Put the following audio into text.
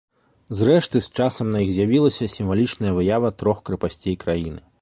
Зрэшты, з часам на іх з'явілася сімвалічная выява трох крэпасцей краіны.